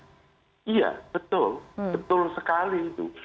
iya betul betul sekali itu